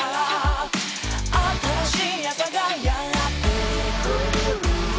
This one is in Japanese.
「新しい朝がやってくる」